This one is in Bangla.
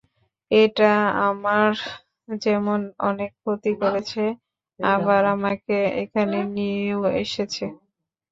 এটা আমার যেমন অনেক ক্ষতি করেছে, আবার আমাকে এখানে নিয়েও এসেছে।